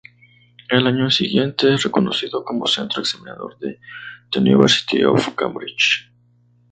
Al año siguiente es reconocido como Centro Examinador de The University of Cambridge.